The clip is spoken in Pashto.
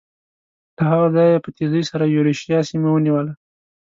له هغه ځایه یې په تېزۍ سره یورشیا سیمه ونیوله.